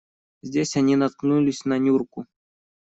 Здесь они наткнулись на Нюрку.